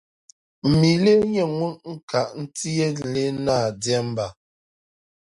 M mi lee nyɛ ŋuni ka n ti yɛn leei naa deemba?